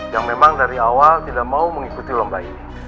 yang memang dari awal tidak mau mengikuti lomba ini